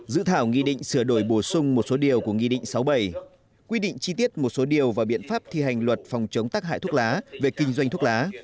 dự thảo nghị định sửa đổi bổ sung một số điều của nghị định sáu mươi bảy quy định chi tiết một số điều và biện pháp thi hành luật phòng chống tắc hại thuốc lá về kinh doanh thuốc lá